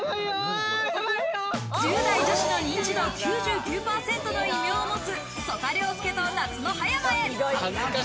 １０代女子の認知度９９％の異名を持つ曽田陵介と夏の葉山へ。